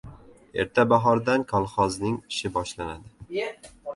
Erta bahordan kolxozning ishi boshlanardi.